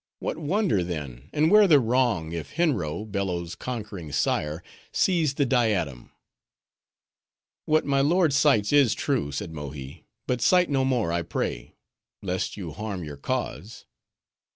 What wonder, then, and where the wrong, if Henro, Bello's conquering sire, seized the diadem?" "What my lord cites is true," said Mohi, "but cite no more, I pray; lest, you harm your cause."